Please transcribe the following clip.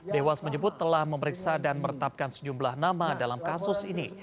dewas menyebut telah memeriksa dan meretapkan sejumlah nama dalam kasus ini